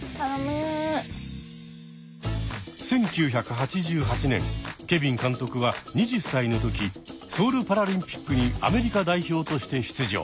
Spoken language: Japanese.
１９８８年ケビン監督は２０歳の時ソウルパラリンピックにアメリカ代表として出場。